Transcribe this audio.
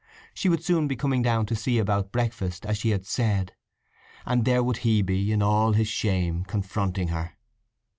She would soon be coming down to see about breakfast, as she had said, and there would he be in all his shame confronting her.